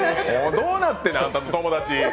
どうなってんねん、あんたの友達。